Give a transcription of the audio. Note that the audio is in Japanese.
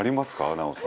奈緒さん。